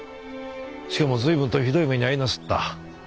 しかも随分とひどい目に遭いなすった。